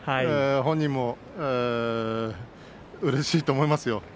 本人もうれしいと思いますよ。